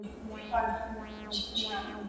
زه پرون لرګي راوړم وم